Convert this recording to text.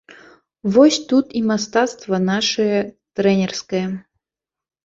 Вось тут і мастацтва нашае трэнерскае.